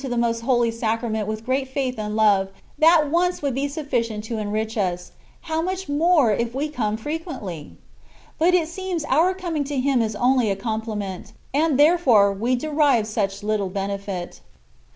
251 the Most Holy Sacrament with great fisdth and love, that once would be sufficient to enrich us ; how much more if we come frequently ! But it seems our coming to Him is only a compliment, and, therefore, we derive such little benefit.